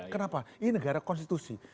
kenapa ini negara konstitusi